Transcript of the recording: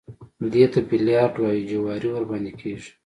دې ته بيليارډ وايي جواري ورباندې کېږي.